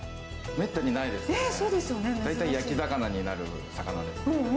大体焼き魚になる魚です。